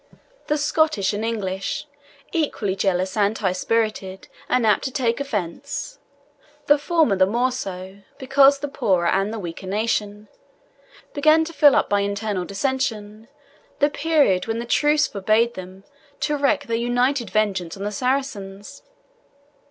The Scottish and English, equally jealous and high spirited, and apt to take offence the former the more so, because the poorer and the weaker nation began to fill up by internal dissension the period when the truce forbade them to wreak their united vengeance on the Saracens.